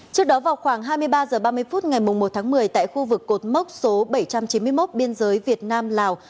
trước đó vào khoảng hai mươi ba h ba mươi phút ngày một tháng một mươi tại khu vực cột mốc số bảy trăm chín mươi một biên giới việt nam lào